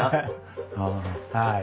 はい。